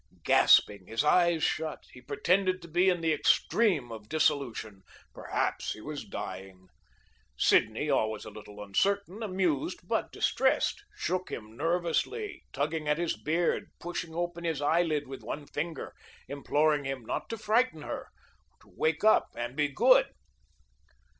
Gasping, his eyes shut, he pretended to be in the extreme of dissolution perhaps he was dying. Sidney, always a little uncertain, amused but distressed, shook him nervously, tugging at his beard, pushing open his eyelid with one finger, imploring him not to frighten her, to wake up and be good.